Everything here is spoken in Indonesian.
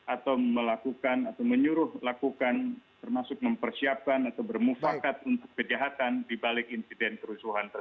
atau melakukan atau menyuruh lakukan termasuk mempersiapkan atau bermufakat untuk kejahatan dibalik insiden kerusuhan